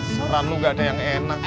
saran lo gak ada yang enak jack